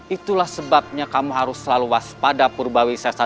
itulah sebabnya kamu harus selalu waspada purba wisata